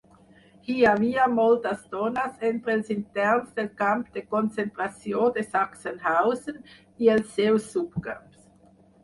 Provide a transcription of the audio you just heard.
Hi havia moltes dones entre els interns del camp de concentració de Sachsenhausen i els seus subcamps.